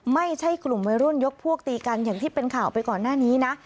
ไม่ใช่กลุ่มวัยรุ่นยกพวกตีกันอย่างที่เป็นข่าวไปก่อนหน้านี้นะ